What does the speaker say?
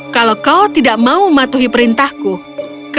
kalau kau tidak mau mematuhi perintahku kau tidak akan bisa menerima kebenaranmu